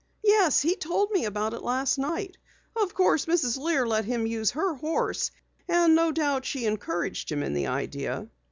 "Yes, he told me about it last night. Of course Mrs. Lear let him use her horse, and no doubt she encouraged him in the idea."